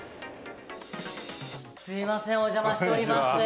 すいません、お邪魔しておりまして。